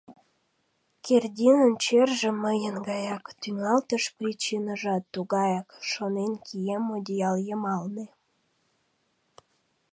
«Кердинын черже мыйын гаяк, тӱҥалтыш причиныжат тугаяк», — шонен кием одеял йымалне.